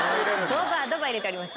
ドバドバ入れております。